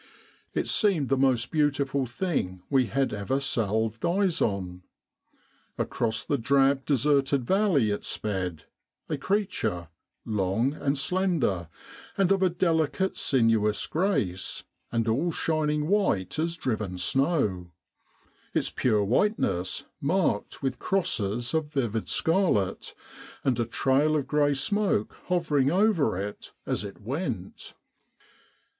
It seemed the most beautiful thing we had ever salved eyes on. Across the drab deserted valley it sped a creature, long and slender, and of a delicate sinuous grace, and all shining white as driven snow, its pure whiteness marked with crosses of vivid scarlet, and a trail of grey smoke hovering over it as it went.